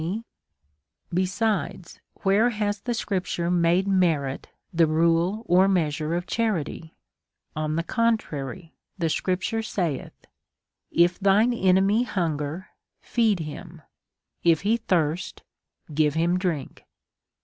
DEVOUT AND HOLY LIFE. 83 Besides, where has the scripture made merit the rule or measure of charity ? On the contrary, the scripture saith, //■ thy enemy hunger, feed him ; if he thirsty give him drink.